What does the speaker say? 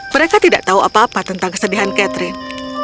mereka tidak tahu apa apa tentang kesedihan catherine